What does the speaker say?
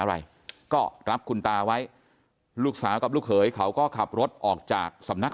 อะไรก็รับคุณตาไว้ลูกสาวกับลูกเขยเขาก็ขับรถออกจากสำนัก